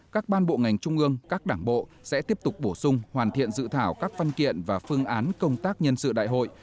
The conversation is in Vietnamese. các ban bộ ngành trung ương các đảng bộ sẽ tiếp tục bổ sung hoàn thiện dự thảo các văn kiện và phương án công tác nhân sự đại hội